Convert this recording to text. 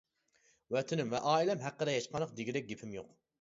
ۋەتىنىم ۋە ئائىلەم ھەققىدە ھېچقانداق دېگۈدەك گېپىم يوق.